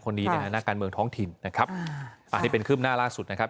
คนนี้นะฮะนักการเมืองท้องถิ่นนะครับอันนี้เป็นคืบหน้าล่าสุดนะครับ